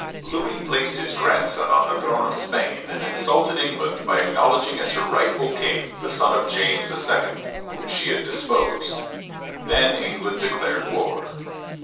Louis placed his grandson on the throne of Spain, and insulted England by acknowledging as her rightful King the son of James II., whom she had deposed. Then England declared war.